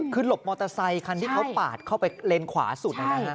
คือหลบมอเตอร์ไซคันที่เขาปาดเข้าไปเลนขวาสุดนะฮะ